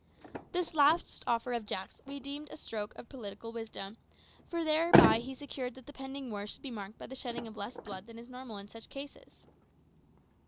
This last offer of Jack's we deemed a great stroke of politic wisdom, for thereby he secured that the pending war should be marked by the shedding of less blood than is normal in such cases.